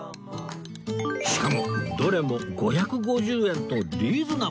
しかもどれも５５０円とリーズナブル